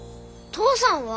父さんは？